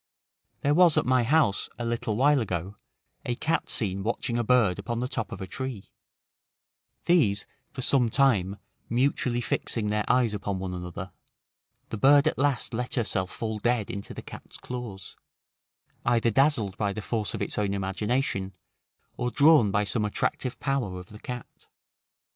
There was at my house, a little while ago, a cat seen watching a bird upon the top of a tree: these, for some time, mutually fixing their eyes one upon another, the bird at last let herself fall dead into the cat's claws, either dazzled by the force of its own imagination, or drawn by some attractive power of the cat.